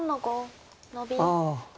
ああ。